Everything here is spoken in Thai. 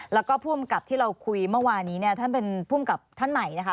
แล้วก็ผู้อำกับที่เราคุยเมื่อวานี้เนี่ยท่านเป็นภูมิกับท่านใหม่นะคะ